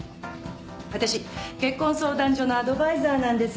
私結婚相談所のアドバイザーなんです。